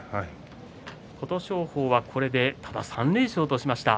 琴勝峰はこれで３連勝としました。